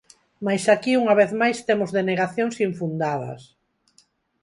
Mais aquí unha vez máis temos denegacións infundadas.